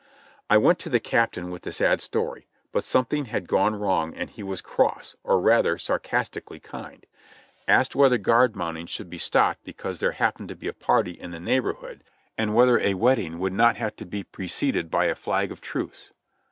I went to the captain with the sad story; but something had gone wrong and he was cross, or rather sarcastically kind ; asked whether guard mounting should be stopped because there hap pened to be a party in the neighborhood, and whether a wedding 84 JOHNNY RE;b and BILLY YANK would not have to be preceded by a flag of truce?